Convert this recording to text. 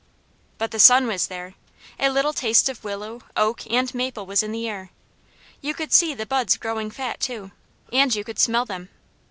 But the sun was there. A little taste of willow, oak and maple was in the air. You could see the buds growing fat too, and you could smell them.